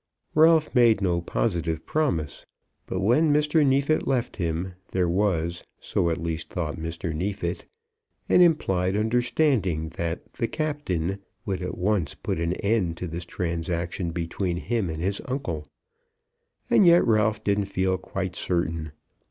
Ralph made no positive promise, but when Mr. Neefit left him, there was, so at least thought Mr. Neefit, an implied understanding that "the Captain" would at once put an end to this transaction between him and his uncle. And yet Ralph didn't feel quite certain.